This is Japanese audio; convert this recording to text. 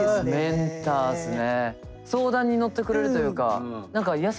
メンターっすね。